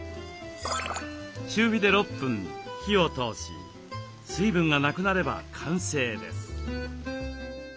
中火で６分火を通し水分がなくなれば完成です。